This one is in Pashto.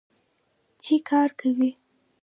چې کار کوي.